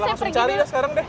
kita langsung cari sekarang deh